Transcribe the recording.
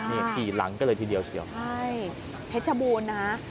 นี่ที่หลังก็เลยทีเดียวเฉียวใช่พรรดิภาพเทชบูรณ์นะครับ